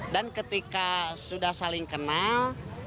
dan ketika sudah saling kenal